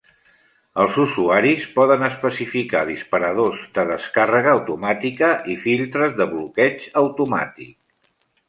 Els usuaris poden especificar disparadors de descàrrega automàtica i filtres de bloqueig automàtic.